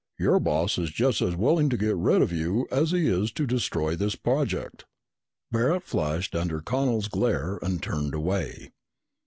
Your boss is just as willing to get rid of you as he is to destroy this project!" Barret flushed under Connel's glare and turned away.